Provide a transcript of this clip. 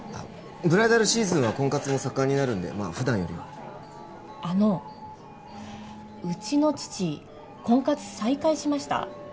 ブライダルシーズンは婚活も盛んになるんで普段よりはあのうちの父婚活再開しました？